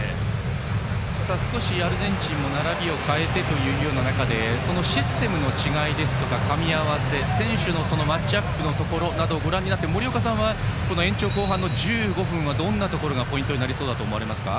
少しアルゼンチンも並びを変えてという中でシステムの違いとか、かみ合わせ選手のマッチアップのところをご覧になって森岡さんは延長後半の１５分はどんなところがポイントになると思いますか？